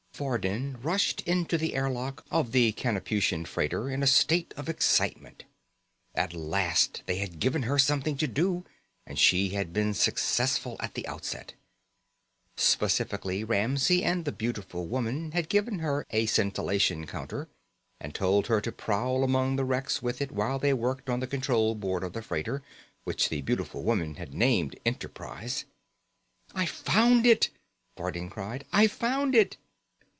Vardin rushed into the airlock of the Canopusian freighter in a state of excitement. At last they had given her something to do, and she had been successful at the outset. Specifically, Ramsey and the beautiful woman had given her a scintillation counter and told her to prowl among the wrecks with it while they worked on the control board of the freighter, which the beautiful woman had named Enterprise. "I found it!" Vardin cried. "I found it!"